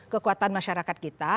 kekuatan masyarakat kita